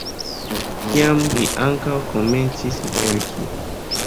Tiam li ankaŭ komencis verki.